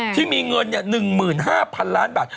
ที่มีเงิน๑๕๐๐๐ล้านบาท